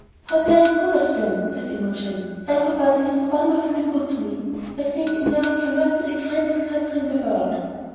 "How very good of them!" said Imogen. "Everybody is so wonderfully good to me! I think America must be the kindest country in the world!"